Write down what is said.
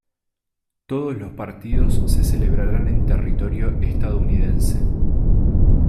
Todos los partidos se celebrarán en territorio estadounidense.